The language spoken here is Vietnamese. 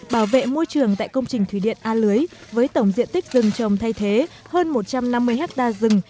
bảo vệ môi trường tại công trình thủy điện a lưới với tổng diện tích rừng trồng thay thế hơn một trăm năm mươi ha rừng